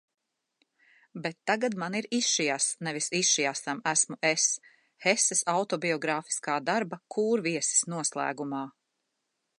Bet tagad man ir išiass, nevis išiasam esmu es. Heses autobiogrāfiskā darba Kūrviesis noslēgumā.